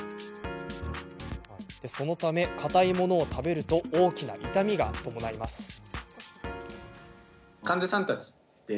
そのため、かたいものを食べると大きな痛みが伴います。